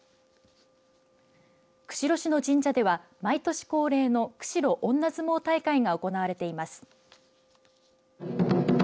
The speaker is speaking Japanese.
釧路市の神社では毎年恒例の釧路女相撲大会が行われています。